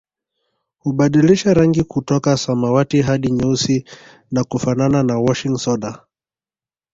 Hubadilisha rangi kutoka samawati hadi nyeusi na kufanana na washing soda